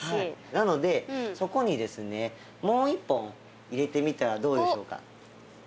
なのでそこにですねもう一本入れてみてはどうでしょうか。